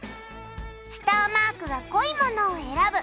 スターマークが濃いものを選ぶ。